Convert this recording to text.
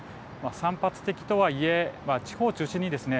散発的とはいえ地方を中心にですね